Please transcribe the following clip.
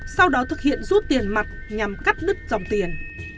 sau đó thực hiện rút tiền mặt nhằm cắt đứt dòng tiền